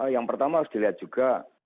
yang pertama harus dilihat juga